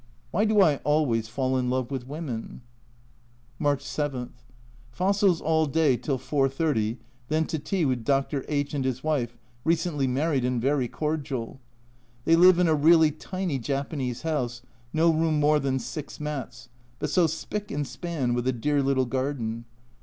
Why do I always fall in love with women ! March 7. Fossils all day till 4.30, then to tea with Dr. H and his wife, recently married and very cordial ; they live in a really tiny Japanese house, no room more than six mats, but so spick and span, with a dear little garden.